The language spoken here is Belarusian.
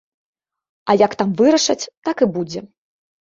А як там вырашаць, так і будзе.